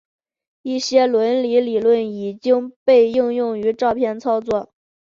一些伦理理论已被应用于照片操作。